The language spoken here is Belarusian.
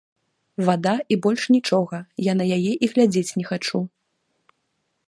Вада, і больш нічога, я на яе і глядзець не хачу.